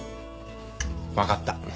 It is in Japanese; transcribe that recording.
分かった。